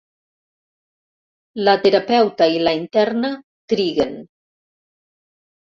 La terapeuta i la interna triguen.